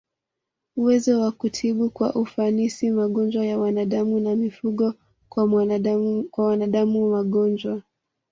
uwezo wa kutibu kwa ufanisi magonjwa ya wanadamu na mifugo Kwa wanadamu magonjwa